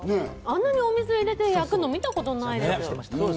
あんなにお水入れて焼くの見たことない。